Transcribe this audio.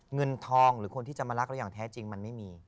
เงินทองหรือคนที่จะมารักเราอย่างแท้จริงมันไม่มี